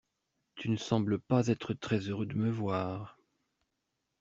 Tu ne sembles pas être très heureux de me voir.